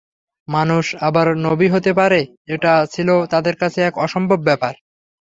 মানুষ আবার নবী হতে পারে, এটা ছিল তাদের কাছে এক অসম্ভব ব্যাপার।